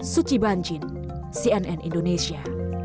suci banjin cnn indonesia